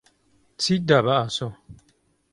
چیت دا بە ئاسۆ؟